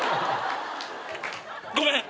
ごめん！